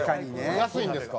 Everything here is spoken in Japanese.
安いんですか？